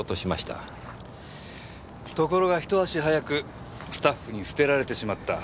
ところがひと足早くスタッフに捨てられてしまった。